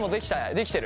できてる？